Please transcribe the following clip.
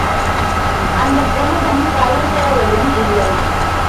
அந்தப் புனிதம் பறிபோவதும் இல்லை.